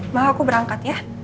mau aku berangkat ya